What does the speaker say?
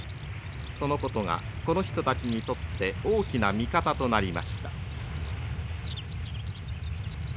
そのことがこの人たちにとって大きな味方となりました。